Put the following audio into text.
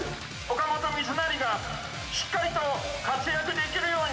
岡本三成が、しっかりと活躍できるように。